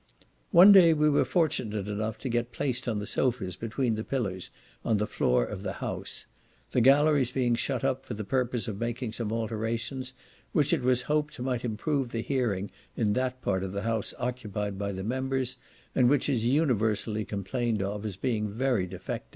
One day we were fortunate enough to get placed on the sofas between the pillars, on the floor of the House; the galleries being shut up, for the purpose of making some alterations, which it was hoped might improve the hearing in that part of the House occupied by the members, and which is universally complained of, as being very defective.